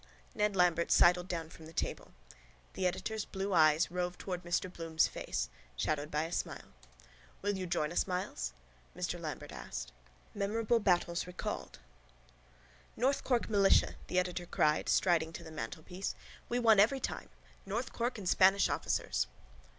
Ned Lambert sidled down from the table. The editor's blue eyes roved towards Mr Bloom's face, shadowed by a smile. —Will you join us, Myles? Ned Lambert asked. MEMORABLE BATTLES RECALLED —North Cork militia! the editor cried, striding to the mantelpiece. We won every time! North Cork and Spanish officers!